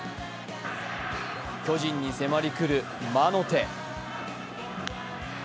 巨人に迫り来る魔の手。